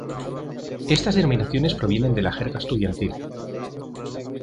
Estas denominaciones provienen de la jerga estudiantil.